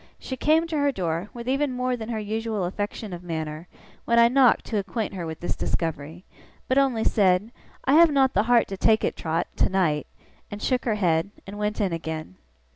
She came to her door, with even more than her usual affection of manner, when I knocked to acquaint her with this discovery; but only said, 'I have not the heart to take it, Trot, tonight,' and shook her head, and went in again.